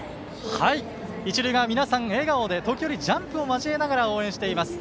一塁側、皆さん笑顔で時折ジャンプを交えながら応援しています。